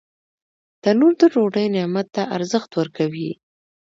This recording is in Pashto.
تنور د ډوډۍ نعمت ته ارزښت ورکوي